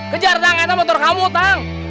kejar kang itu motor kamu kang